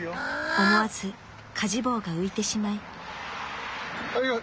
［思わずかじ棒が浮いてしまい］いいよ。